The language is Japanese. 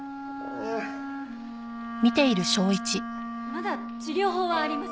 まだ治療法はあります。